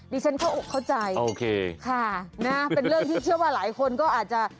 ดิฉันเข้าใจค่ะนะเป็นเรื่องที่เชื่อว่าหลายคนก็อาจจะ